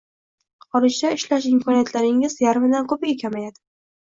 xorijda ishlash imkoniyatlaringiz yarmidan ko’piga kamayadi